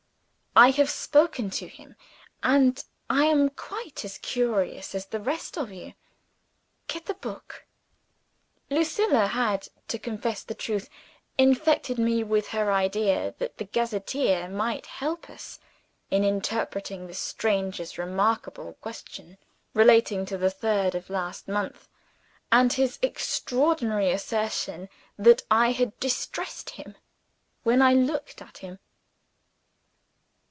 I have spoken to him; and I am quite as curious as the rest of you. Get the book." Lucilla had (to confess the truth) infected me with her idea, that the gazetteer might help us in interpreting the stranger's remarkable question relating to the third of last month, and his extraordinary assertion that I had distressed him when I looked at him.